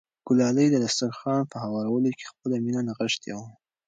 ګلالۍ د دسترخوان په هوارولو کې خپله مینه نغښتې وه.